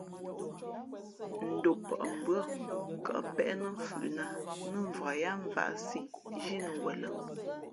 Ndopαʼmbʉα̂ kαʼ péʼ nά mfhʉʼnāt nά mvak yáá mvāʼ zhínǔ wen lά.